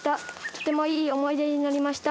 とてもいい思い出になりました。